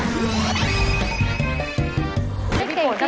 พี่ป่อนจะทำได้นี่คือ